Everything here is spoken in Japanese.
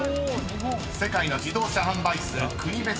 ［世界の自動車販売数国別のウチワケ］